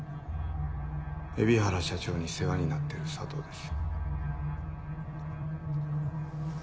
海老原社長に世話になってる佐藤です。